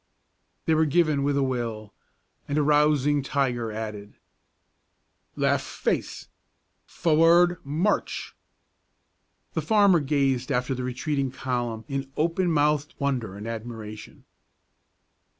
_" They were given with a will, and a rousing tiger added. "Left face! Forward, march!" The farmer gazed after the retreating column in open mouthed wonder and admiration.